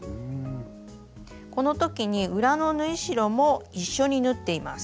この時に裏の縫い代も一緒に縫っています。